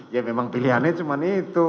ya memang pilihannya cuma itu